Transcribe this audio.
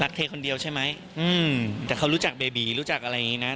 เทคนเดียวใช่ไหมอืมแต่เขารู้จักเบบีรู้จักอะไรอย่างนี้นะ